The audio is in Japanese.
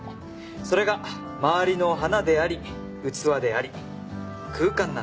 それが周りの花であり器であり空間なんです。